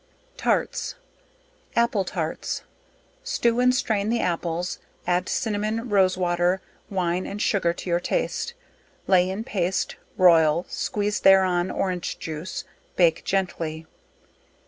TARTS. Apple Tarts. Stew and strain the apples, add cinnamon, rose water, wine and sugar to your taste, lay in paste, royal, squeeze thereon orange juice bake gently.